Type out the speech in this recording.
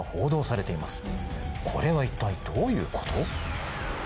これは一体どういうこと？」。